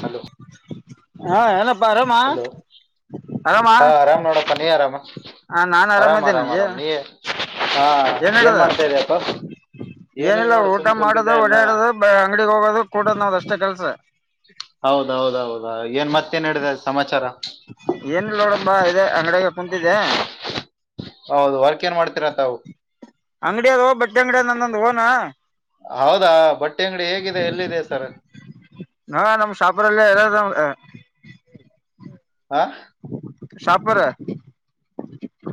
Hello ಹಾ ಎಲ್ಲಮ್. Hello ಹಾ ಆರಾಮ್ ನೋಡಪ್ಪಾ ನೀ ಆರಾಮಾ. ಹಾ ಹ ನಾನ್ ಆರಾಮ್ ಆರಾಮಿದ್ದೇನೆ ಆರಾಮ್ ಏ ಆರಾಮ್ ನೀ ಹ ಏನ್ ಮಾಡ್ತಾರ ಅಪ್ಪಾ. ಏನಿಲ್ಲಾ ಊಟಾ ಮಾಡೋದು ಓಡಾಡೋದು ಅಂಗಡಿಗ್ ಹೋಗೋದು ಕೂಡದ್ ನೋಡಷ್ಟ ಕೆಲ್ಸಾ. ಹೌದಾ ಏನ್ ಮತ್ತೇನ್ ನಡದದ ಸಮಾಚಾರಾ. ಏನ್ ಇಲ್ಲ ನೋಡಬ್ಬಾ ಇದೆ ಅಂಗಡ್ಯಾಗ್ ತಿದೆ ಹೌದು ವರ್ಕ್ ಏನ್ ಮಾಡ್ತೀರಾ ತಾವು. ಅಂಗಡಿ ಅದೋ ಬಟ್ಟಿ ಅಂಗಡಿಯ ಅಂದೊಂದು ಹೋನಾ. ಹೌದಾ ಬಟ್ಟೆ ಅಂಗಡಿ ಹೇಗಿದೆ ಎಲ್ಲಿದೆ ಸರ್. ಹಾ ನಮ್ ಶಾಪುರಲ್ಲೇ [inaudible] ಆ. ಶಾಪರ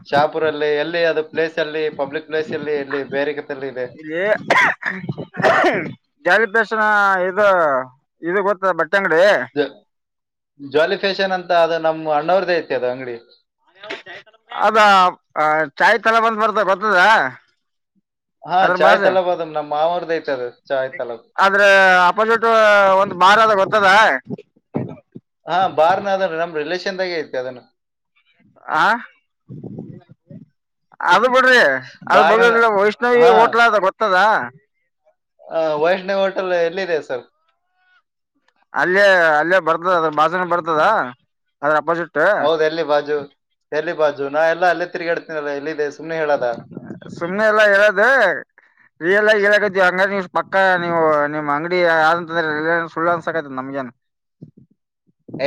ಶಾಪುರಲ್ಲಿ ಎಲ್ ದೆ ಅದ. ಪ್ಲೇಸ್ ಅಲ್ಲಿ ಪಬ್ಲಿಕ್ ಪ್ಲೇಸ್ ಅಲ್ಲಿ ಇಲ್ಲಿ ಬೇರೆ ಕಲ್ಲಿ ಇದೆ. ಇಲ್ಲಿ ಕ್ಷಣ ಇದು ಇದು ಗೊತ್ತ ಬಟ್ ಜಾ ಜಾಲಿ ಫ್ಯಾಷನ್ ಅಂತ ಅದೆ ನಮ್ ಅಣ್ಣ್ರದೇ ಐತಿ ಅದ ಅಂಗಡಿ. ಅದ ಚಾಯ್ ತಲ ಬಂದ್ ಬರ್ತ ಬರ್ತದಾ. ಹಾ ಅದ್ರ ಚಾಯ್ ಬಾಜು ತಲಬ್ ಅದು ನಮ್ಮ ಮಾವರ್ದ ಐತಿ ಅದು ಚಾಯ್ ತಲಬ್ ಆದ್ರ ಅಪೋಸಿಟ್ ಒಂದ ಬಾರ್ ಅದ ಗೊತ್ತದ [inaudible] ಹಾ ಬಾರ್ನ ಅದನ್ ನಮ್ ರಿಲೇಷನ್ದಾಗೆ ಐತಿ ಅದನ್ನ ಆ ಅದು ಬಿಡ್ರಿ ಅದು ಬಾರ್ನ ಬಗ್ದಿಲ್ಲ ವೈಷ್ಣವಿ ಹೋಟ್ಲ್ ಅದ ಗೊತ್ತದಾ. [inaudible] ಅ ವೈಷ್ಣವ ಹೋಟೆಲು ಎಲ್ಲಿದೆ ಸರ್. ಅಲ್ಲೇ ಅಲ್ಲೇ ಬರ್ತದ ಅದ ಬಾಝುನ್ ಬರ್ತದಾ. ಹೌದ್ ಎಲ್ಲಿ ಬಾಜು ಎಲ್ಲಿ ಬಾಜುನಾ ಎಲ್ಲಾ ಅಲ್ಲೇ ತಿರಗ್ಯಾಡ್ತ. ನಬಾ ಇಲ್ಲಿ ಬೇಸ್. ಸುಮ್ನೆ ಎಲ್ಲಾ ಹೇಳೋದಯ ರಿಯಲ್ ಆಗಿ ಹೇಳಾಕತ್ತಿವಿ ಹಂಗ ನಿಸ್. ಟ್ಟ ನೀವು ನಿಮ್ಮ್ ಅಂಗಡಿಯ ಆಲ್ನ. ಅಂದ್ರರೆರೆನ ಸುಳ್ಳ ಅನ್ಸಾಕತೆ ನಮ್ಗ ಏನ್.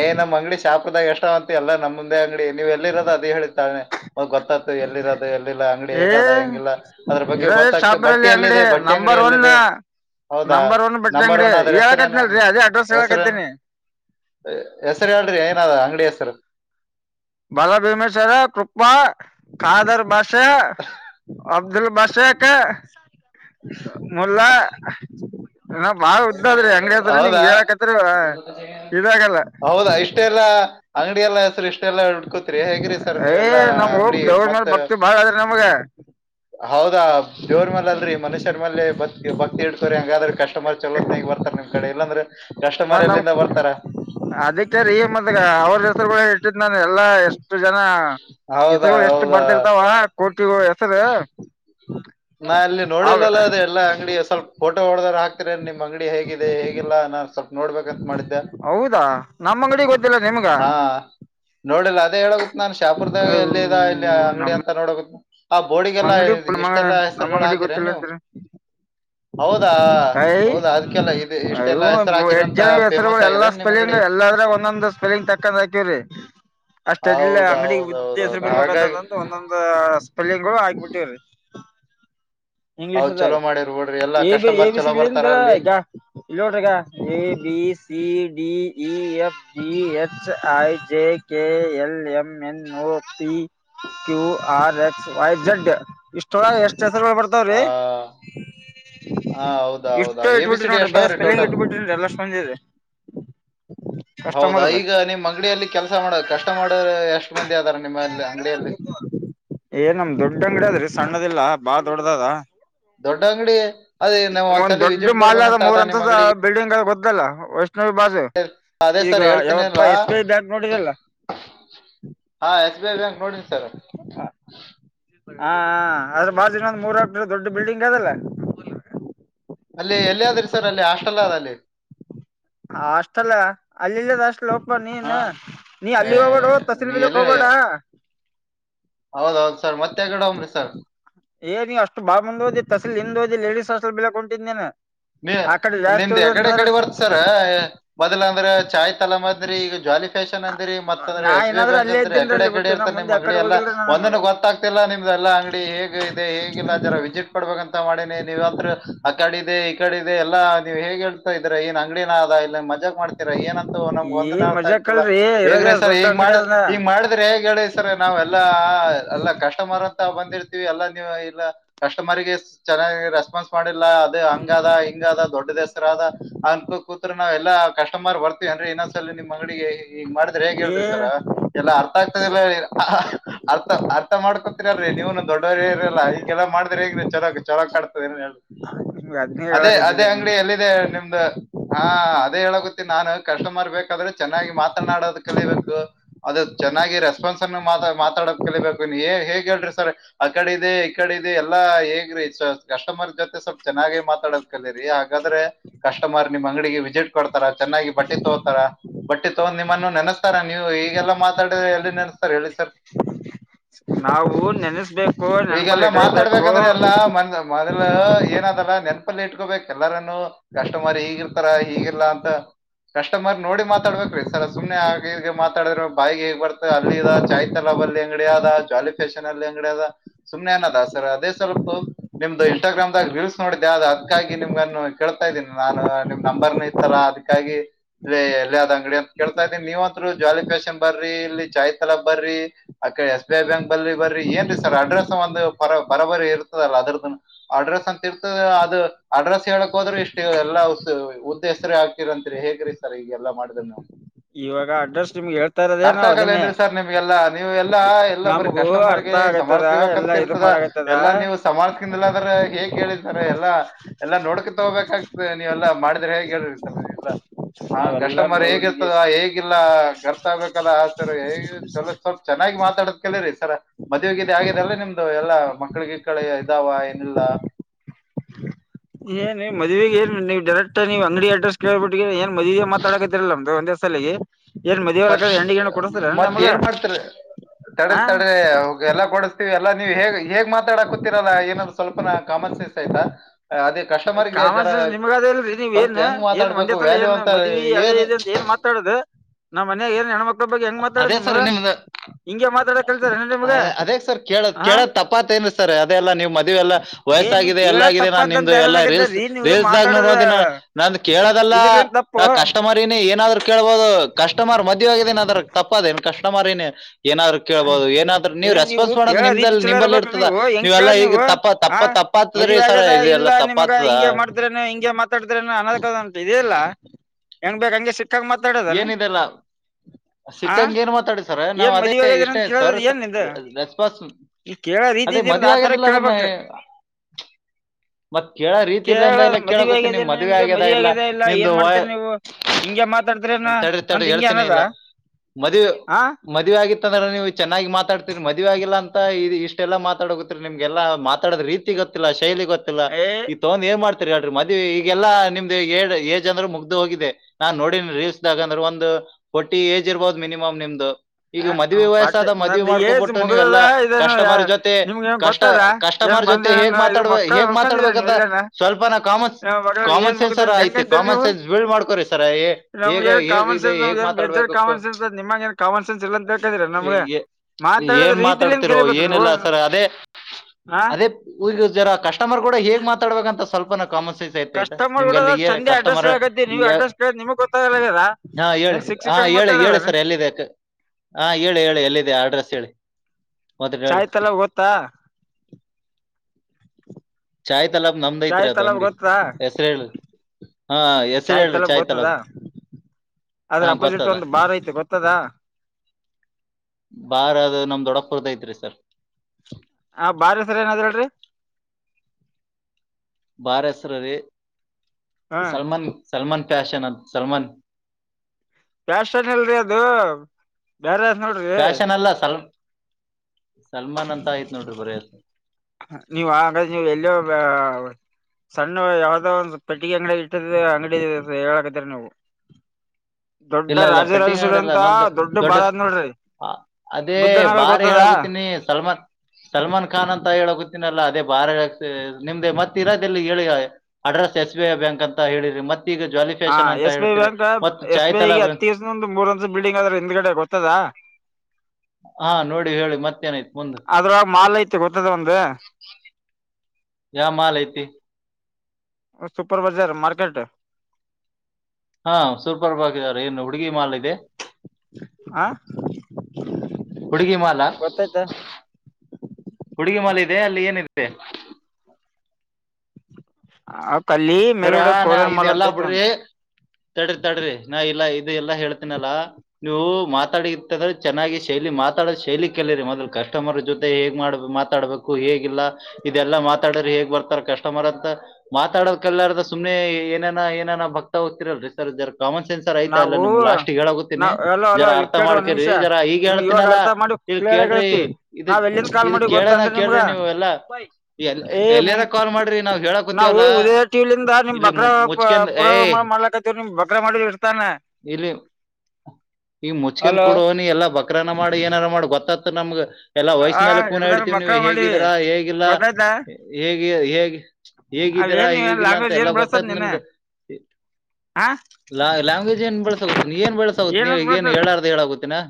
ಏ ನಮ್ಮ್ ಅಂಗಡಿ ಶಾಪುರದಾಗ ಎಷ್ಟೊ ಹೊತ್ತಿ ಎಲ್ಲಾ ನಮ್ಮ ಮುಂದೆ ಅಂಗಡಿ. ಡಿ ನೀವು ಎಲ್ಲಿರೋದ ಅಧಿ ಹೇಳಿತ್ತ ತ್ತಾವೆ ಅವಾಗ ಗೊತ್ತ್ ತ್ತಾತ್ತು ಎಲ್ಲಿರೋದು ಎಲ್ಲಿಲ್ಲ ಅಂಗಡಿ ಏ ಹೇಗಾದ ಹೆಂಗಿಲ್ಲ ಅದ್ರ ಬಗ್ಗೆ ಇರೋದೇ ಗೊತ್ತಾಗ್ತು ಬಟ್ಟಿ ಶಾಪುರಲ್ಲಿ ಅಂಗಡಿ ಎಲ್ಲಿದೆ ಬಟ್ಟಿ ಅಂಗಡಿ ನಂಬರ್ ಒನ್ ಎಲ್ಲಿದೆ ಹೌದಾ ನಂಬರ್ ಒನ್ ಬಟ್ಟೆ ನಂಬರ್ ಅಂಗಡಿ ಒನ್ ಅದರ್ ಹೆಸರ ಏನ ಹೇಳಕತ್ನಲ್ರಿ ಅದೇ ಅಡ್ರೆಸ್ ಹೆಸರ ಏನು. ಹೇಳಕತ್ತೀನಿ ಹೆಸರ ಹೇಳ್ರಿ ಏನ ಅದ ಅಂಗಡಿ ಹೆಸ್ರು. ಬಾಲಾಭೀಮೇಶ್ವರ ಕೃಪಾ ಖಾದರ್ ಭಾಷ್. ಕ್ಷ ಅದ್. ದಿಲ್ ಬಾಷಾಕ್ಕ. ಮುಲ್ಲಾ. ನಾ ಬಾಳ ಉದ್ದ ಅದ್ರಿ ಅಂಗಡಿ ಹತ್ರ ಹೌದಾ ನಿಮ್ಗೆ ಹೇಳಕತ್ರ ಇದಾಗಲ್ಲ ಹೌದಾ ಇಷ್ಟು ಎಲ್ಲಾ. ಅಂಗಡಿ ಎಲ್ಲ ಹೆಸರ ಇಷ್. ಇಷ್ಟ ಎಲ್ಲಾ ಹೂಡ್ಕೋತ್ರಿ ಹೇಗ್ರಿ ಸರ್ ನೀವ ಏ ಎಲ್ಲಾ ನಮ್ ಹೋಪ್ ಅಂಗಡಿ ದೇವ್ರ ಮೇಲೆ ಮತ್ತ ಭಕ್ತಿ ಬಾಳ ಅದ್ರಿ ನಮಗ ಹೌದಾ ದೇವರ ಮೇಲೆ ಅಲ್ರಿ ಮನುಷ್ಯರ ಮೇಲೆ ಭತ್ತಿ ಭಕ್ತಿ ಹಿಡ್ಕೋರಿ ಹಂಗಾದ್ರೆ ಕಷ್. ಟುಮಾರೊ ಚಲೋತ್ನ್ಯಾಗ ಬರ್ತಾರ ನಿಮ್. ಕಡೆ ಇಲ್ಲ ಅಂದ್ರೆ. ಮದ್ ನಮ್ಗ ಅದಕ್ಕರಿ ಮದ್ಗಾ ಅವ್ರ ಹೆಸರು ಬ್ಯಾರೆ ಇಟ್ಟಿದ ನಾ. ಎಲ್ಲಾ ಎಷ್. ಎಷ್ಟು ಜನಾ ಹೌದಾ ಹೆಸರುಗಳು ಎಷ್ಟು ಹೌದಾ ಬರ್ತಿರ್ತಾವಾ ಕೋಟಿಗೂ ಹೆಸರ. ನಾ ಅಲ್ಲಿ ನೋಡಿಲ್ಲಲ್ಲ ಅದು ಎಲ್ಲಾ ಅಂಗಡಿಯ ಸ್ವಲ್ಪ ಫೋಟೋ ಹೊಡದಾ. ರಾಕ್ತರಿ ನಿಮ್ಮ್. ಮಂಗಡಿ ಹೇಗ ಇದೆ ಹೇಗಿಲ್ಲಾ ಅನ ಸ್ವಲ್ಪ ನೋಡ್ಬೇಕಂತ ಮಾಡಿದ್ದ್ಯಾ ಹೌದಾ ನಮ್ ಅಂಗಡಿ ಗೊತ್ತಿಲ್ಲ ನಿಮ್ಗ ಹಾ ನೋಡಿಲ್ಲ ಅ. ನ್ನೇ ಎಳಗು. ನಾನ್ ಶಾಪುರ್ದಾಗ ಅವ್ ಎಲ್ಲೇ ಇದ ಇಲ್ಲೇಯ ಅಂಗಡಿ ನಮ್ಮ ಅಂತ ನೋಡಬೇಕು. ಆ ಬೋಡಿಗೆಲ್ಲಾ ಇದು ಇಷ್. ಅ ನಮ್ಮ್ ಅಂಗಡಿ ಗೊತ್ತಿಲ್ಲಂತಿರಿ ಹೌದಾ ಐ ಹೌದಾ ಅದಕ್ಕೆಲ್ಲ ಇದು ಇಷ್ಟೆಲ್ಲ ಇವು ಹೆಸರು ಒಬ್ಬು ಹಾಕಿರಂತ ಎಗೆಜ್ಜಾನ್ಗೆ ಫೇಮಸ್ ಹೆಸರುಗಳು ಆಗಿದೆ ಎಲ್ಲಾ ನಿಮ್ ಸ್ಪೆಲಿಂಗ್ ಅಂಗಡಿ ಎಲ್ಲಾದ್ರಾಗ ಒಂದೊಂದ್ ಸ್ಪೆಲಿಂಗ್ ಟಕ್ಕ ಅಂದ್ರ ಹಾಕ್ಕೆವ್ರೀ ಅಷ್ಟ ದಿಲ್ಲ ಹೌದ್ ಅಂಗಡಿಗೆ ಹೌದ್ ಹೌದ್ ಉಧ್ಧ್ಯ ಹೆಸರ ಹೌದ್ ಬಿರ್ಬೇಕ ಹಾಗಾಗಿ ಅಂಥದೊಂದು ಒಂದೊಂದ ಸ್ಪೆಂಲ್ಲಿಂಗ. ಹಾಗ್ಬಿಟ್ಟೇವ್ರೀ. ಹೌದ್ ಇಂಗ್ಲಿಷ್ದಾಗ್ ಚಲೋ ಮಾಡಿರಿ ಬಿಡ್ರಿ ಎಲ್ಲಾ A A customer B C ಚಲೋ ಬರ್ತಾರ ಇಲ್ಲಿಂದ ಅಲ್ಲಿ ಈಗ ಇಲ್ಲೋಟ್ರ A B C D E F E H I J K L M N P Q R F Y Z ಇಷ್ಟೊಳ ಎಷ್ ಹಾ ಹ ಹೌದಾ ಹೌದಾ ಇಷ್ಟು ಎ ಬಿ ಇಟ್ಬಿಟ್ರಿ ಸಿ ಡಿ ನೋಡ್ರಿ ಬೇರೆ ಎಷ್ಟಾವ್ರಿ ಸ್ಪೆಲ್ಲಿಂಗ್ ಟೋಟಲ್ ಇಟ್ಬಿಟ್ರಿ ಎಲ್ಲಷ್ಟ ಮಂದಿದು ಹೌದಾ ಕಸ್ಟಮರ್ದ ಈಗ ನಿಮ್ ಅಂಗಡಿಯಲ್ಲಿ ಕೆಲ್ಸ ಮಾಡ ಕಷ್ಟ ಮಾಡವ್ರ್ ಎಷ್ಟ ಮಂದಿ ಆದಾರ ನಿಮ್ಮಲ್ಲಿ ಅಂಗಡಿಯಲ್ಲಿ ಏನ್ ನಮ್ ದೊಡ್ಡ ಅಂಗಡಡಿ ಅದ್ರಿ ಸಣ್ಣದಿಲ್ಲ ಬಾಳ ದೊಡ್ಡದ ಅದ ದೊಡ್ಡ ಅಂಗಡಿ ಅದೇ ನಾವ್ ಒಂದ್ ಒಂದ್ಸಲ ದೊಡ್ಡ ವಿಸಿಟ್ ಕೊಡ್ಬೇಕಂತ ಅದ ನಿಮ್ಮ್ ಅಂಗಡಿಗೆ. ದಲ್ಲಾ ವೈಷ್ ಸ ಅದೇ ಸರ್ ಹೇಳ್ತೀನಿ ಅಲ್ವಾ ಎಸ್ ಬಿ ಐ ಬ್ಯಾಂಕ್ ನೋಡಿದಲ್ಲ ಹಾ ಎಸ್ ಬಿ ಐ ಬ್ಯಾಂಕ್ ನೋಡನಿ ಸರ್ ಹಾ ಹಾ ಅದ್ರ ಬಾಜುನ್ ಒಂದ್ ಮೂರ್ಕ್ಟ ದೊಡ್ಡ ಬಿಲ್ಡಿಂಗ್ ಅದಲ್ಲ. ಅಲ್ಲಿ ಎಲ್ಲೆ ಅದ್ರಿ ಸರ್ ಅಲ್ಲಿ ಅಷ್ಟಲ್ಲ ಅದ ಅಲ್ಲಿ. ಹಾ ಅಷ್ಟಲ್ಲಾ ಅಲ್ಲಿ ಇಲ್ಲದ ಅಷ್ಟ ಲೋಪ ನೀನ್ ಹಾ ನೀ ಏ ಅಲ್ಲಿ ಹೋಗೋಡ ತಸಿಲ್ ನೀ ಬಿಳಕ್ ಎಲ್ಲಿ ಹೋಗಬ್ಯಾಡಾ ಹೌದೌದು ಸರ್ ಮತ್ತೆ ಎಗಡ ಹೋಗ್ರಿ ಸರ್ ಏ ನೀ ಅಷ್ಟು ಬಾಳ್ ಮುಂದ್ ಹೋದಿ ತಸಲ ಹಿಂದ್ ಲೇಡಿಸ್ ಹಾಸ್ಟೆಲ್ ಬಿಡಾಕ್ ಹೊಂಟೆನ್ ನಾನ. ನೀ ನಿಮ್ದ್ ಎಗಡೆ ಕಡೆ ಬರ್ತ್ ಸರ. ಇಲ್ಲಾಂದ್ರ ಚಾಯ್ ತಲಾ ಮಂದ್ರ ಈಗ ಜಾಲಿ. ಫೇಶನ್ ಅಂದ್ರಿ ಮತ್ತಂದ್ರೆ ನಾ ಎಸ್ ಬಿ ಐ ಏನಾದ್ರೂ ಬ್ಯಾಂಕ್ ಅಲ್ಲೇ ಅಂತ್ರ ಇದ್ದೀನ್ರಿ ಎಕಡೆ ಅಲ್ಲಿ ಎ ಕಡೆ ಬಿಟ್ಟು ಇನ್ನ ಇರ್ತಾರೆ ನಿಮ್ ಮುಂದೆ ಆ ಅಂಗಡಿ ಕಡೆ ಎಲ್ಲ ಹೋಗಿಲ್ರಿ ನಾ ನಮಗ ಒಂದನ್ನು ಗೊತ್ತಾಗ್ತಿಲ್ಲ ನಿಮ್ದು ಎಲ್ಲ ಅಂಗಡಿ ಹೇಗೆ ಇದೆ ಹೇಗಿಲ್ಲ ಜರಾ ವಿಸಿಟ್ ಪಡ್ಬೇಕ ಟಾ ಮಾಡೇನ ನಿವಂತರ ಅ ಕಡಿದೆ. ಕಿದೆ ಎಲ್ಲಾ ನೀವ ಹೇಗೆ ಹೇಳ್ತಾ ಇದಿರಾ ಏನ್ ಅಂಗಡಿನ ಆದಾಯ್ ಮಜಾಗ ಮಾಡ್ತೀರಾ ಏನಂತೂ ನಮ್ಗ ಏ ಒಂದ್ ಅರ್ಥ ಮಜಾ ಆಗ್ತಿಲ್ಲ ಕಲ್ರಿ ಇರೋದ ಹೇಗ್ರಿ ಎಷ್ಟ್ ಸರ್ ದೊಡ್ಡ ಈಗ ಅಂಗಡಿ ಮಾಡ ಅದ ಹಗ ಮಾಡಿದ್ರೆ ಹೇಗ ಹೇಳಿ ಸರ್ ನಾವ್ ಎಲ್ಲಾ ಎಲ್ಲಾ ಕಸ್ಟಮರ್ ಅಂತ ಬಂದಿರ್ತೀವಿ ಎಲ್ಲ ನೀವು ಇಲ್ಲ ಕಸ್ಟಮರ್ಗೆ ಚೆನ್ನಾಗಿ ರೆಸ್ಪಾನ್ಸ್ ಮಾಡಿಲ್ಲ ಅದೇ ಹಂಗ ಅದ ಹಿಂಗ ಅದ ದೊಡ್ಡದ ಹೆಸರ ಆದ ಅನ್ಕ ಕೂತ್ ನಾವ ಎಲ್ಲಾ ಕಸ್ಟಮರ್ ಬರ್ತೀವಿ ಅನ್ರಿ ಇನ್ನೊಂದ್ಸಲಿ ನಿಮ್ ಅಂಗಡಿಗೆ ಈಗ್ ಮಾಡಿದ್ರೆ ಹೇಗ್ ಏ ಹೇಳ್ರಿ ಸರ ಎಲ್ಲಾ ಅರ್ಥ ಆಗ್ತದೆಲ್ಲ ಹೇಳಿ ಅರ್ಥ ಅರ್ ತಾ ಮಾಡ್ಕೊತಿರಲ್ರಿ ನೀವುನು ದೊಡ್ಡವೇ ಇರಲ್ಲ ಈಗೆಲ್ಲ ಮಾಡಿದ್ರಿ ಹೇಗೆ ಚಲೋ ಚಲೋ ಆಗಿ ಕಾಣುತ್ತ. ತದಿನ್ನೆ ಹೇಳು. ನಿಮ್ಗ ಅದ್ನೇ ಅದೇ ಅದೇ ಹೇಳಕತ್ತಿದ್ರಿ ಅಂಗಡಿ ನಿಮ್ ಎಲ್ಲಿದೆ ನಿಮ್ದ ಹಾ ಅದೇ ಹೇಳಗತ್ತಿನ ನಾನು ಕಸ್ಟಮರ್ ಬೇಕಾದ್ರೆ ಚೆನ್ನಾಗಿ ಮಾತಾನಾಡದ ಕಲಿಬೇಕು ಅದು ಚೆನ್ನಾಗಿ ರೆಸ್ಪಾನ್ಸ್ ಅನ್ನು ಮಾತ ಮಾತಾಡೋದ ಕಲಿಬೇಕು ಹೇಗ್ ಹೇಗೆ ಹೇಳ್ರಿ ಸರ್ ಆ ಕಡೆ ಇದೆ ಈ ಕಡೆ ಇದೆ ಎಲ್ಲಾ ಹೇಗ್ರಿ ಕಸ್ಟಮರ್ ಜೊತೆ ಸ್ವಲ್ಪ್ ಚೆನ್ನಾಗಿ ಮಾತಾಡೋದ ಕಲಿರಿ ಹಾಗಾದ್ರೆ ಕಸ್ಟಮರ್ ನಿಮ್ ಅಂಗಡಿಗೆ ವಿಸಿಟ್ ಕೊಡ್ತಾರ ಚೆನ್ನಾಗಿ ಬಟ್ಟಿ ತಗೋತಾರ ಬಟ್ಟಿ ತಗೊಂಡ್ ನಿಮ್ಮನ್ನು ನೆನೆಸ್ತಾರ ನೀವು ಹಿಗೆಲ್ಲಾ ಮಾತಾಡಿದ್ರೆ ಎಲ್ಲಿ ನೆನೆಸ್ತಾರ ಹೇಳಿ ಸರ್ ನಾವು ನೆನಸ್ಬೇಕು ನೆನಪಲ್ಲಿ ಇಟ್ಳ್ಬೇಕು [unintelligible] ಏನಾದರೂ ನೆನಪ ಇಟ್ಕೋಬೇಕು ಎಲ್ಲಾರನ್ನು ಕಸ್ಟಮರ್ ಹೀಗಿರ್ತಾರ ಹೀಗಿಲ್ಲಾ ಅಂತ ಕಸ್ಟಮರ್ ನೋಡಿ ಮಾತಾಡ್ಬೇಕ್ರೀ ಸರ್ ಸುಮ್ನೆ ಹಾಗೆ ಹೀಗೆ ಮಾತಾಡ್ರರು ಬಾಯಿಗೆ ಹೇಗ್ ಬರ್ತ ಅಲ್ಲಿ ಚಾಯ್ತ ಲಾಬ್ ಅಲ್ಲಿ ಅಂಗಡಿ ಅದ ಜಾಲಿ ಫ್ಯಾಷನ್ ಅಲ್ಲಿ ಅಂಗಡಿ ಅದ ಸುಮ್ನೆ ಅನದ ಸರ್ ಅದೇ ಸ್ವಲ್ಪ ನಿಮ್ದು ಇನ್ಸ್ಟಾಗ್ರಾಮ್ದಾಗ ರೀಲ್ಸ್ ನೋಡಿದ. ಅದಕ್ಕಾಗಿ ನಿಮ್ಗನ್ನು ಕೇಳ್ತಾ ಇದ್ದೀನಿ ನಾನು ನಿಮ್ ನಂಬರ್ನ ಇತ್ತಲ್ಲಾ ಅದಕ್ಕಾಗಿ ಇಲ್ಲೆ ಎಲ್ಲಿದ್ ಅಂಗಡಿ ಅಂತ ಕೇಳ್ತಾ ಇದ್ದೀನಿ ನೀವಂತರು ಜಾಲಿ ಫ್ಯಾಷನ್ ಬರ್ರಿ ಇಲ್ಲಿ ಚಾಯ್ ತಲಾ ಬರ್ರಿ ಅಕಡೆ ಎಸ್ ಬಿ ಐ ಬ್ಯಾಂಕ್ ಬಲ್ಲಿ ಬರ್ರಿ ಏನ್ರಿ ಸರ್ ಅಡ್ರೆಸ್ ಒಂದು ಪರ ಬರಬರಿ ಇರ್ತದಲ್ಲ ಅದ್ರದುನು ಅಡ್ರೆಸ್ ಅಂತ ಇರ್ತದ ಅದು. ಅಡ್ರೆಸ್ ಹೇಳಕ್ ಹೋದ್ರ ಇಷ್ಟು ಎಲ್ಲ ಉದ್ದ ಉದ್ದ ಹೆಸರು ಆಗ್ತೀರಂತರಿ ಹೇಗ್ರಿ ಸರ್ ಹಿಗೆಲ್ಲಾ ಮಾಡಿದ್ರ ನೀವು. ಇವಾಗ ಅಡ್ರೆಸ್ ನಿಮ್ಗೆ ಹೇಳ್ತಾ ಇರೋದೇ ಅರ್ಥ ನಾವ್ ಆಗಲ್ಲ ಅದನ್ನೇ ಏನ್ರಿ ಸರ್ ನಿಮ್ಗೆಲ್ಲಾ ನೀವು ಎಲ್ಲಾ ಎಲ್ಲಾ ಬರಿ ನಮಗೂ ಅರ್ಥ ಕಸ್ಟಮರ್ಗೆ ಆಗತ್ತದ ಎಲ್ಲಾ ಸಂಭಳ್ಸ್ಕಬೇಕಂತ ಇದು ಇರ್ತದ ಮಾಡಕತ್ತದ ಎಲ್ಲಾ ನೀವು ಸಂಭಳ್ಸ್ಕನ್ದಿಲ್ಲಾ ಅಂದ್ರ ಹೇಗ್. ಕೇಳಿ ಸರ ಎಲ್ಲಾ. ಎಲ್ಲಾ ನೋಡ್ಕ ತಗೋಬೇಕಾಗ್ತದ ನೀವೆಲ್ಲಾ ಮಾಡಿದ್ರೆ ಹೇಗೆ ಹೇಳಿ ಸರ್ ಎಲ್ಲಾ. ಹಾ ನಾವೆಲ್ಲಾ ಕಸ್ಟಮರ್ ನೋಡಿಗೆ ಹೇಗಿರ್ತದ ಹೇಗಿಲ್ಲ ಗರ್ತ್ ಆಗ್ಬೇಕಲ್ಲ ಆ ಸರ ಹೇಗ ಚಲೋ ಸ್ವಲ್ಪ ಚೆನ್ನಾಗಿ ಮಾತಾಡ ಕಲೀರಿ ಸರ್ರ. ಮದುವೆ ಗಿದುವೆ ಆಗಿದೆ ಅಲ್ಲ ನಿಮ್ದು ಎಲ್ಲಾ. ಮಕ್ಕಳು ಗಿಕ್ಕಳು ಇದಾವ ಏನಿಲ್ಲ. ಏನ್ ರಿ ಮದುವಿ ಏನ್ ನೀವು ಡೈರೆಕ್ಟ್ ನೀವು ಅಂಗಡಿ ಅಡ್ರಸ್ ಕೇಳ್ಬಿ ಏನ್ ಮದುವಿಗೆ ಮಾತಾಡಕತ್ತತಿರಲ್ಲ ನಮ್ದು ಒಂದೆ ಸ ಸಲಿಗೆ ಏನ್ ಮದ್ವಿ ಮತ್ ಆಗ್ಲಕರ ಹೆಣ್ಣು ಗಿಣ್ಣು ಕೊಡಸ್ತೀರ ಮತ್ತ್ ನಮಗ ಏನ್ ಮಾಡ್ತರಿ ತಡೆ ಆ ತಡೆ ಎಲ್ಲ ಕೊಡಿಸತೀವಿ ಎಲ್ಲಾ. ನೀವ್ ಹೇಗ್ ಹೇಗ್ ಮಾತಾಡಾಕೊತಿರಲ್ಲ ಏನಾದ್ರರು ಸ್ವಲ್ಪನ ಕಾಮನ್ ಸೆನ್ಸ್ ಐತಾ. ಕಾಮನ್ ಸೆನ್ಸ್ ನಿಮಗ ಅದೇ ಇಲ್ರರಿ ನೀವ್ ಸ್ವಲ್ಪ ಏನ್ ಹೆಂಗ್ ಏನ್ ಒಂದೇ ಮಾತಾಡ್ಬೇಕು ಸಲಿ ವ್ಯಾಲ್ಯೂ ಏನ್ ಅಂತ ಮದ್ವಿ ಅದೇ ಇದ ಅಂತ ಏನ್ ಮಾತಾಡೋದು ನ ಇನ್ನಾ ಏನ್ ಹೆಣ್ಮಕ್ ಅದೇ ಸರ್ ನಿಮ್ದ ಹಿಂಗೆ ಮಾತಾಡಕ್ ಕಲ್ತಾರ ಅ ನಿಮ್ಗ ಅದೇ ಸರ್ ಕೇಳ ಹ ಕೇಳದ ತಪ್ಪಾಯ್ತು ಏನು ಸರ್ ಅದೆೇಲ್ಲ ನೀವ್ ಮದ್ವೆೆಲ್ಲ ಏನ್ ನೀವ್ ವಯಸ್ಸಾಗಿದೆ ಎಲ್ಲ ಕೇಳ ಆಗಿದೆ ನಾನ್ ನಿಮ್ದು. ತಪ್ಪದಂತ ಎಲ್ಲ ರೀಲ್ಸ್ ಯಾರನಗದ್ದಾರೀ ನೀವ್ ರೀಲ್ಸ್ ದಾಗ ಮಾತಾಡದ ನೋಡ್ಕೋತೀನಿ ನಂದ ಕೇಳೋದಲ್ಲಾ ಇದ್ರನ್ ತಪ್ಪು ನಾ ಕಸ್ಟಮರ್ ಅನೀ ಏನಾದರೂ ಕೇಳ್ಬಹದು ಕಸ್ಟಮರ್ ಮದುವೆ ಆಗಿದ್ದೀನ [unintelligible] [unintelligible] ಕಸ್ಟಮರ್ ಇನೇ ಏ ನೀವು ಮಾಡೋದು ಕೇಳೋ ರೀತಿ ನಿಮ್ದಲ್ಲಿ ನಿಂಬಲ್ಲಿ ಚಲೋರ್ಬೇಕ್ರಿ ಇರ್ತದ ನೀವು ಹೆಂಗ ನೀವೆಲ್ಲ ಕೇಳದ್ ಈಗ ನೀವು ತಪ್ಪ ಆ ತಪ್ಪ ತಪ್ಪಾತದ್ರಿ ಮದುವೆ ಸರ್ ಆಗದ ಇಲ್ಲ ಇದೆಲ್ಲ ನಿಮ್ಗ ತಪ್ಪಾತದ ಹಿಂಗೆ ಮಾಡಿದ್ರೇನು ಹಿಂಗೆ ಮಾತಾಡಿದ್ರನು ಅನ್ನೋದಕ ಉಂಟು ಇದ ಇಲ್ಲ. ಹೆಂಗ್ ಬೇಕ ಹಂಗೆ ಸಿ ಏನಿದೆಲ್ಲ ಆ ಸಿಕ್ಕಂಗ ಏನ್ ಮಾತಾಡ ಸರ ನಾವ್ ಏನ್ ಅದೇ. ಮದ್ವಿ ಆಗ್ಯದೇನ ಇಷ್ಟೇ ಅಂತ ಸರ್ ಕೇಳೋದ್ ಏನ್ ಇದು ರ ರೆಸ್ಪಾನ್ಸ್ ನೀ ಕೇಳೋ ರೀತಿ ಅದೇ ಇದಿರ್ದ ಮದುವಿ ಆತರ ಆಗ್ಯದಿಲ್ಲ ಅ ಕೇಳ್ಬೇಕ ಮತ್ತ ಕೇಳೋ ರೀತಿ ಇಲ್ಲ ಕೇಳ ಅಂದ ಇಲ್ಲ ಮದ್ವಿ ಕೇಳಗುತ್ತೇ ನಿಮ್ ಆಗ್ಯದೇನ ಮದ್ವೆ ನಿಮ್ದು ಆಗ್ಯದ ಮದ್ವಿ ಇಲ್ಲ ನಿಮ್ದು ಏನ್ ವ ಮಾಡ್ತೀರಿ ನೀವು ಹಿಂಗೆ ಮಾತಾಡ್ತಿರೇನ ತಡ್ರಿ ತಡೆ ಅಂತ ಹಿಂಗೆ ಹೇಳ್ತೀನಿ ಅನ್ನದ ಇಲ್ಲ ಮದ್ವಿ ಆ ಮದ್ವಗ. ನೀವು ಚೆನ್ನಾಗಿ ಮಾತಾಡ್ತೀರಿ ಮದವೆ ಆಗಿಲ್ಲ ಅಂತ ಇ ಇಷ್ಟೆಲ್ಲ ಮಾತಾಡ ಗೊತ್ರಿ ನಿಮ್ಗೆಲ್ಲ ಮಾತಾಡದ ರೀತಿ ಗೊತ್ತಿಲ್ಲ ಶೈಲಿ ಗೊ ತ್ತಿಲ್ಲ ಏ ಈ ತಗೊಂಡ್ ಏನ್ ಮಾಡ್ತ ಹೇಳಿ ಮದ್ವಿ ಈಗೆಲ್ಲ ನಿಮ್ದು ಏ ಏಜ್ ಅಂದ್ರ ಮುಗ್ದು ಹೋಗಿದೆ ನಾನ್ ನೋಡಿನ್ರಿ. ಹಾಗಂದ್ರೆ ಒಂದು ಫಾರ್ಟಿ ಏಜ್ ಇರ್ಬಹದು ಮಿನಿಮಮ್ ನಿಮ್ದು. ಈಗ ಮದ್ವೆ ಫಾರ್ಟಿ ವಯಸ್ಸಾದ ಮದ್ವಿ ನಂದು ಏಜ್ ಮಾಡ್ಕೋಬಿಟ್ಟು ಮುಗ್ದದ ನೀವೆಲ್ಲಾ ಇದೇನು ಕಸ್ಟಮರ್ ಜೊತೆ ನಿಮ್ಗೇನ್ ಕಷ್ಟ ಗೊತ್ತದ ಏನ್ ಕಸ್ಟಮರ್ ಜೊತೆ ಹೇಗ್ ಬಂದೇನ ಇದು ಮಾತಾಡದು ಮಕ್ಕಳ ಹೇಗ್ ಹೊಲ್ಕೊಂಡಿದೀರ ನೀವ್ ಮಾತಾಡ್ಬೇಕಂತ ಎಲ್ಲನ ಸ್ವಲ್ಪನ ಕಾಮನ್ ಮಗಳ ಕಾಮನ್ ಏಜ್ ಸೆನ್ಸ್ರ ಮುಗ್ದಂತ ಐತಿ ಕಾಮನ್ ಸೆನ್ಸ್ ಬೀಳ್ಡ್ ಮಾಡ್ಕೋರಿ ಸರ. ನಮ್ಗೇನ್ ಕಾಮನ್ ಸೆನ್ಸ್ ಬೇಜನ್ ಕಾಮನ್ಸ್ ಇದೆ ನಿಮಂಗೇನು ಕಾಮನ್ಸ್. ಮಾತಾಡೋದ ಏನ್ ರೀತಿಲಿಂದ ಮಾತಾಡ್ತಿರೋ ಕಲಿಬೇಕ್ರಿ ನೀವು ಏನಿಲ್ಲ ಸರ್ ಅದೇ ಹಾ ಅದೇ ಪೂರ್ವಜರ ಕಷ್ ಕುಡ ಹೇಗ್ ಮಾತಾಬೇಕ ಅಂತ ಸ್ವಲ್ಪನದ್ರು ಕಸ್ಟಮರ್ ಕೂಡದ್ ಚಂದ ಕಸ್ಟಮರ್ ಅಡ್ರೆಸ್ಗತ್ತತಿ ನೀವು ಅಡ್ರೆಸ್ ಕ ನಿಮಗ್ ಗೊತ್ತಗಲ್ ಹಾ ಹೇಳಿ ಹಾ ಹೇಳಿ ಹೇಳಿ ಸರ್ ಎಲ್ಲಿದೆ ಹಾ ಹೇಳಿ ಹೇಳಿ ಎಲ್ಲಿದೆ ಅಡ್ರೆಸ್ ಹೇಳಿ ಮೊದಳು ಹೇಳಿ. ಚಾಯ್ ತಲಬ್ ಗೊತ್ತಾ ಚಾಯ್ ಚಾಯ್ ತಲಾಬ್ ನಮ್ದಐತ್ರಿ ಚಾಯ್ ಅದ ತಲಬ್ ಅಂಗ್ಡಿ ಗೊತ್ತಾ ಹೆಸ್ರ ಹೇಳಿ ಹಾ ಹೆಸ್ರ ಹೇಳಿ ಚಾಯ್ ತಲಾಬ್. ಆದ್ರ ಅಪೋಸಿಟ್ ಒಂದು ಬಾರ್ ಐತೆ ಗೊತ್ತದಾ. ಗೊತ್ತಯ್ತ್ರಿ ಸರ್. ಆ ಬಾರ್ ಎಸರು ಏನಾದೇಳ್ರಿ. ಬಾರ್ ಹೆಸ್ರು ರಿ ಹ ಸಲ್ಮನ್ ಸಲ್ಮನ್ ಪ್ಯಾಷನ್ ಸಲ್ಮಾನ್ ಪ್ಯಾಷನ್ ಅಲ್ರಿ ಅದು. ಬೇರೆ ಅದ ನೋಡ್ರಿ ಫ್ಯಾಷನ್ ಅಲ್ಲ ಸಲ್ ಸಲ್ಮಾನ್ ಅಂತ ಆಯ್ತ್ ನೋಡ್ರಿ ಬರಿಯದ್. ನೀವು ಹಂಗ ನೀವು ಎಲ್ಲೋ ಸಣ್ಣ ಯಾವದೋ ಒಂದು ಪೆಟ್ಟಿಗೆ ಅಂಗಡಿ ಇಟ್ಟಿದ ಅಂಗಡಿ ಹೇಳಕಿದ್ರ ನೀವು. ದೊಡ್ಡ ಇಲ್ಲ ಇಲ್ಲ ಪೆಟ್ಟಿಂಗ್ ರಾಜರಾಜೇಶ್ವರಿ ಆಲ್ಲ ಅಂತ ನೊಂದು ದೊಡ್ಡ ಬಾರ ಅದ್ ನೋಡ್ರಿ ಅದೇ ಬುದ್ಧನಗರ್ ಬಾರ ಗೊತ್ತದ ಹೇಳಗತೀನಿ ಸಲ್ಮಾನ್ ಸಲ್ಮಾನ್ ಖಾನ್ ಅಂತ್ ಹೇಳಕತ್ತಿನಲ್ಲ ಅದೇ ಬಾರ್ ನಿಮ್ದೆ ಮತ್ತೆ ಇರೋದೆಲ್ಲಿ ಹೇಳಿ address S B I bank ಅಂತ ಹೇಳಿರಿ ಮತ್ ಈಗ ಜಾಲಿ ಫ್ಯಾಷನ್ ಅಂತ ಹೇಳ್ತೀರಿ ಚಾಯಿತ್ ಈಗ ಹತ್ತಿವಸೊಂದ್ ಮೂರ್ ಒಂದಸ ಬಿಲ್ಡಿಂಗ್ ಆದ್ರೆ ಹಿಂದ್ಗಡೆ ಗೊತ್ತದಾ. ಹಾ ನೋಡಿ ಹೇಳಿ ಮತ್ತೇನೈತಿ ಮುಂದೆ ಅದ್ರ ಮಾಲ್ ಐತೆ ಗೊತ್ತದ ಒಂದು. [inaudible] ಯ ಮಾಲ್ ಐತಿ. ಸುಪರ್ ಬಾಜಾರ್ ಮಾರ್ಕೆಟ್. ಹಾ ಸೂಪರ್ ಬಾಗಿದ್ದಾರೆ ಏನು ಹುಡುಗಿ ಮಾಲ್ ಇದೆ. ಹ ಹುಡುಗಿ ಮಾಲಾ ಗೊತ್ತೈತ ಹುಡುಗಿ ಮಾಲೆ ಇದೆ ಅಲ್ಲಿ ಏನ ಇರುತ್ತೆ. ಹಾ ಸರ ನ ಇ ಎಲ್ಲಾ ಬಿಡ್ರಿ ತಡ್ರಿ ತಡ್ರಿ ನಾ ಇಲ್ಲ. ಇ ಎಲ್ಲಾ ಹೇಳ್ತೀನಲ್ಲ ನೀವು ಮಾತಾಡಿತ್ತಂದ್ರೆ ಚೆನ್ನಾಗಿ ಶೈಲಿ ಮಾತಾಡ ಶೈಲಿ ಕೆಲ್ಲರಿ ಮೊದಲು ಕಸ್ಟಮರ್ ಜೊತೆ ಹೇಗ್ ಮಾಡ ಮಾತಾಡಬೇಕು ಹೇಗಿಲ್ಲ ಇದೆಲ್ಲಾ ಮಾತಾಡರಿ ಹೇಗ್ ಬರ್ತಾರ ಕಸ್ಟಮರ್ ಅಂತ ಮಾತಾಡಕ್ ಕಲ್ಲಾರದ ಸುಮನೆ ಏನೇನ ಏನನ್ ಭಕ್ತ ಹೋಗ್ತಿರಲ್ ರೀ ಸರ್ ಜರ್. ಕಾಮನ್ ಸೆನ್ಸರ್ ಐತ್ ಎಲ್ಲಾ ನಾವು ನಿಮ್ಗ್ ಲಾಸ್ಟ್ಗ್ ಹೇಳಕೊತನಿ ನಾವ್ ಎಲ್ಲೋ ಅಲ್ಲೋ ಜರಾ ಇಲ್ಲಿ ಅರ್ಥ ಕೇಳ್ರಿ ಒಂದ್ ಮಾಡ್ಕ್ರಿ ನಿಮಿಷ ಜರಾ ಈಗ ನಿಮ್ಗ್ ಇವಾಗ ಹೇಳ್ತನಲ್ಲಾ ಅರ್ಥ ಮಾಡಿ ಇಲ್ ಕ್ಲಿಯರ್ ಆಗಿ ಕೇಳ್ರಿ ಹೇಳ್ಸ್ತಿವಿ ಇದ ನಾವ್ ಎಲ್ಲಿಂದ ಕಾಲ್ ಇದ ಮಾಡಿವಿ ಕೇಳನ ಗೊತ್ತೇನ್ರಿ ನಿಮ್ಗ ಕೇಳ್ರಿ ನೀ ಎಲ್ಲಾ ಎ ಏ ಎಲ್ಲನ ಕಾಲ್ ಮಾಡ್ರಿ ನಾವ್ ಹೇಳಕೋತಿವಲ್ಲಾ. ಇಂದ್ ನಿಮ್ ಬಕ್ರ ಪರ ಮಾಡ್ಲ್ವ ನಿಮ್ ಬಕ್ರ ಮಾಡಿ ಇರಿ ಈ ಮುಚ್ಕನ್ ಹಲೋ ಕೂಡ ನಿ ಎಲ್ಲಾ ಬಕ್ರನ ಮಾಡಿ ಏನಾರ ಮಾಡಿ ಗೊತ್ತತ್ ತ್ ನಮ್ಗ. ಎಲ್ಲಾ ವಯಸ್ಸ ಆ ಮ್ಯಾಲ್ ಕೂನ ಹಿಡ್ದಾರ ಇಡ್ತೀವಿ ಬಕ್ರ ನೀವು ಮಾಡಿವಿ ಹೇಗಿದೀರಾ ಹೇಗಿಲ್ಲಾ ಗೊತ್ತಾಯ್ತಾ ಹೇಗೆ ಹೇಗ್ ಹೇಗಿದ್ದೀರಾ ಅವೇನ್ ಹೇಗ ನೀವೇನ್ ಇಲ್ಲಾ ಅಂತ ಲ್ಯಾಂಗ್ವೇಜ್ ಎಲ್ಲ ಏನ್ ಬಳಸದ್ ನೀನ್ ಗೊತ್ತ್ತಮ್ದ ಹಾ ಲ್ಯಾಂಗ್ವೇಜ್ ಏನ್ ಬೆಳಸೋಗುತ್ತ ನೀ ಏನ್ ಬೆಳಸೋಗುತ್ತ ನೀ ಏನಂತ ಏನ್ ಬಳಸದು ಹೇಳಾರ್ದ ಹೇಳಗುತ್ತಿನಾ.